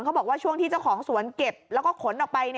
บอกว่าช่วงที่เจ้าของสวนเก็บแล้วก็ขนออกไป